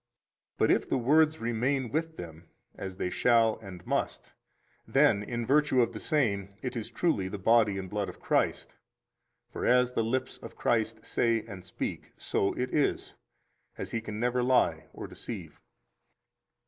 14 But if the words remain with them, as they shall and must, then, in virtue of the same, it is truly the body and blood of Christ. For as the lips of Christ say and speak, so it is, as He can never lie or deceive.